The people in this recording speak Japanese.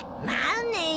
まあね。